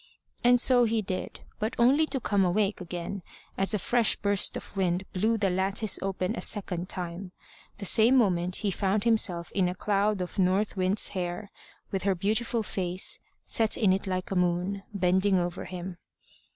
And so he did, but only to come awake again, as a fresh burst of wind blew the lattice open a second time. The same moment he found himself in a cloud of North Wind's hair, with her beautiful face, set in it like a moon, bending over him.